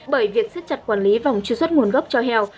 bởi việc xứt chặt quản lý vòng tri xuất nguồn gốc cho heo